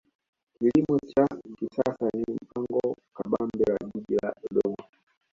kilimo cha kisasa ni mpango kabambe wa jiji la dodoma